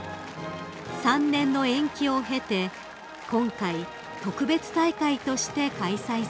［３年の延期を経て今回特別大会として開催されました］